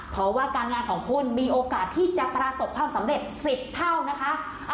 ขอว่าการงานของคุณมีโอกาสที่จะประสบความสำเร็จ๑๐เท่านะคะ